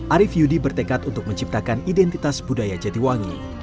arief yudi bertekad untuk menciptakan identitas budaya jatiwangi